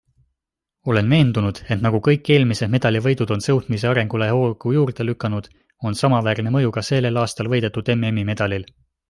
Olen veendunud, et nagu kõik eelmised medalivõidud on sõudmise arengule hoogu juurde lükanud, on samaväärne mõju ka sellel aastal võidetud MM'i medalil.